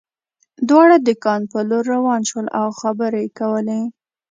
دواړه د کان په لور روان شول او خبرې یې کولې